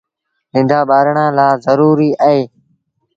ننڍآن ٻآرآن لآ زروريٚ اهي۔